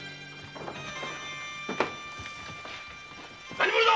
何者だ